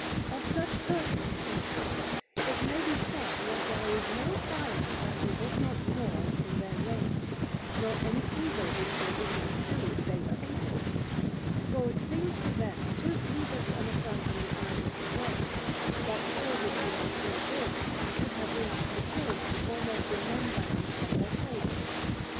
Of such persons, in truth, it may be said that there is no iron that they would not gnaw in their rage, nor any evil which they would not do if they were able, for it seems to them too grievous an affront in the eyes of the world, that children whom they saw born should have reached maturity almost in one bound from their cradles.